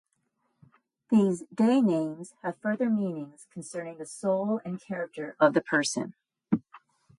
These "day names" have further meanings concerning the soul and character of the person.